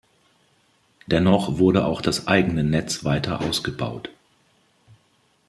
Dennoch wurde auch das eigene Netz weiter ausgebaut.